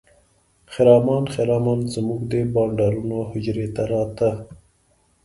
خرامان خرامان زموږ د بانډارونو حجرې ته راته.